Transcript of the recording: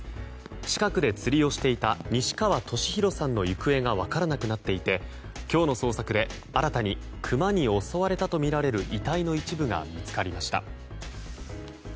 近くで釣りをしていた西川俊宏さんの行方が分からなくなっていて今日の捜索で、新たにクマに襲われたとみられる遺体の一部が見つかりました。